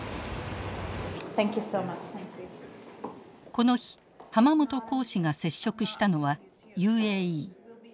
この日濱本公使が接触したのはＵＡＥ。